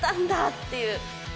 っていう。